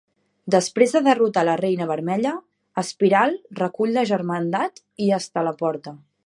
Després de derrotar la Reina Vermella, Espiral recull la Germandat i es teleporta.